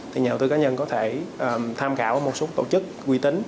thì nhà đầu tư cá nhân có thể tham khảo một số tổ chức quy tính